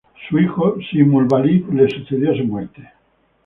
Su hijo, Sin-Muballit le sucedió a su muerte.